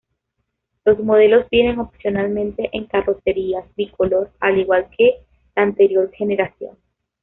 Los modelos vienen opcionalmente en carrocerías bicolor al igual que la anterior generación.